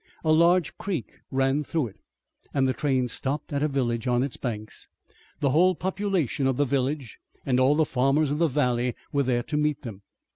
A large creek ran through it, and the train stopped at a village on its banks. The whole population of the village and all the farmers of the valley were there to meet them.